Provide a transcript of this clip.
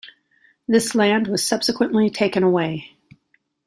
This land was subsequently taken away.